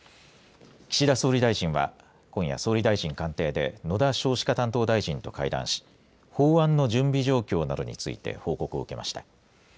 岸田総理大臣は今夜総理大臣官邸で野田少子化担当大臣と会談し法案の準備状況などについて報告を受けました。